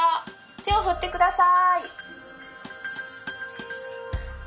手を振ってください。